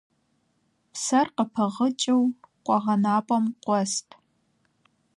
Псэр къыпыгъыкӀыу къуэгъэнапӀэм къуэст.